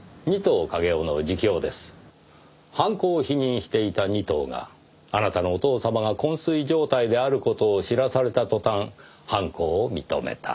犯行を否認していた仁藤があなたのお父様が昏睡状態である事を知らされた途端犯行を認めた。